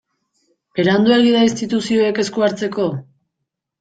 Beranduegi da instituzioek esku hartzeko?